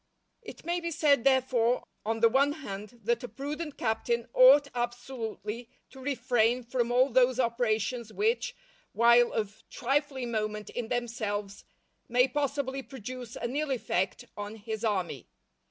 _" It may be said, therefore, on the one hand, that a prudent captain ought absolutely to refrain from all those operations which, while of trifling moment in themselves, may possibly produce an ill effect on his army.